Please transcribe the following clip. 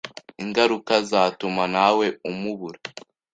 ingaruka zatuma nawe umubura.